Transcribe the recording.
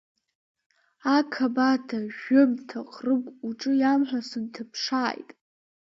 Ақабада жәымҭа ҟрыгә, уҿы иамҳәо сынҭаԥшааит…